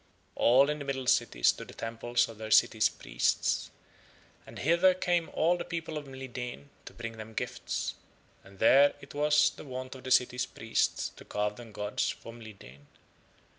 All in the Middle City stood the Temples of the city's priests, and hither came all the people of Mlideen to bring them gifts, and there it was the wont of the City's priests to carve them gods for Mlideen.